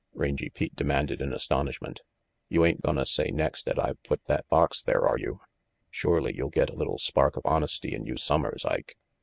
Rangy Pete demanded in astonishment. " You ain't gonna say next 'at I put the box there, are you? Shorely you got a little spark of honesty in you summers, Ike.